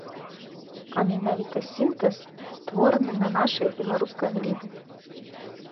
А менавіта сінтэз, створаны на нашай беларускай глебе.